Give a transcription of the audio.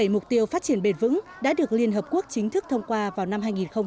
một mươi bảy mục tiêu phát triển bền vững đã được liên hợp quốc chính thức thông qua vào năm hai nghìn một mươi năm